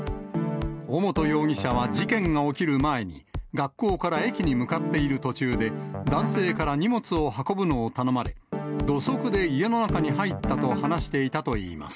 尾本容疑者は事件が起きる前に、学校から駅に向かっている途中で、男性から荷物を運ぶのを頼まれ、土足で家の中に入ったと話していたといいます。